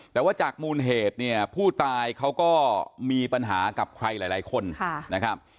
แต่ว่าจากมูลเหตุเนี่ยผู้ตายเขาก็มีปัญหากับใครหลายคนนะครับ